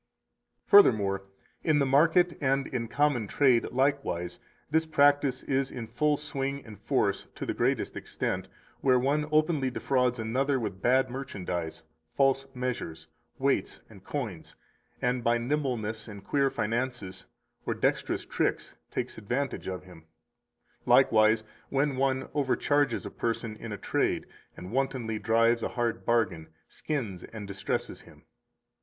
227 Furthermore, in the market and in common trade likewise, this practise is in full swing and force to the greatest extent, where one openly defrauds another with bad merchandise, false measures, weights, coins, and by nimbleness and queer finances or dexterous tricks takes advantage of him; likewise, when one overcharges a person in a trade and wantonly drives a hard bargain, skins and distresses him.